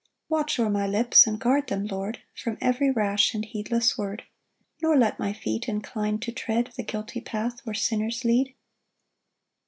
2 Watch o'er my lips, and guard them, Lord, From every rash and heedless word; Nor let my feet incline to tread The guilty path where sinners lead.